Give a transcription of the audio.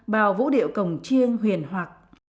bao vũ điệu cổng chiêng huyền hoạc